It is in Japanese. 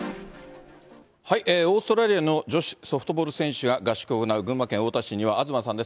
オーストラリアの女子ソフトボール選手が合宿を行う群馬県太田市には東さんです。